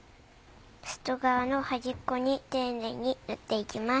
外側の端っこに丁寧に塗って行きます。